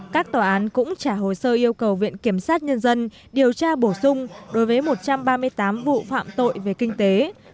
các tòa án cũng trả hồ sơ yêu cầu viện kiểm sát nhân dân điều tra bổ sung đối với một trăm ba mươi tám vụ phạm tội về kinh tế